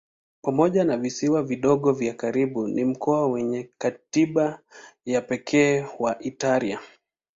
Pamoja na visiwa vidogo vya karibu ni mkoa wenye katiba ya pekee wa Italia.